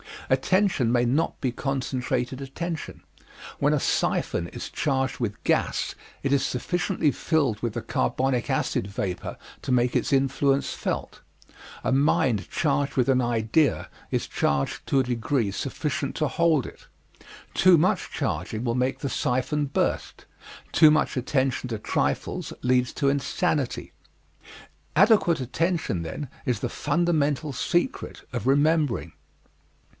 Attention may not be concentrated attention. When a siphon is charged with gas it is sufficiently filled with the carbonic acid vapor to make its influence felt; a mind charged with an idea is charged to a degree sufficient to hold it. Too much charging will make the siphon burst; too much attention to trifles leads to insanity. Adequate attention, then, is the fundamental secret of remembering.